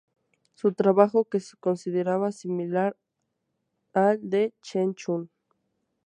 Su trabajo se consideraba similar al de Chen Chun.